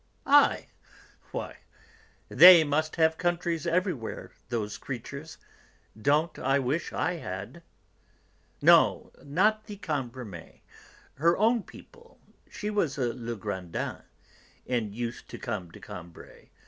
"I! Why, they must have 'countries' everywhere, those creatures! Don't I wish I had!" "No, not the Cambremers; her own people. She was a Legrandin, and used to come to Combray.